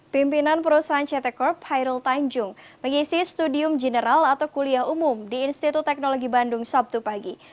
pimpinan perusahaan ct corp hairul tanjung mengisi studium general atau kuliah umum di institut teknologi bandung sabtu pagi